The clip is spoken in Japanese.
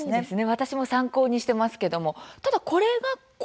私も参考にしていますけれども。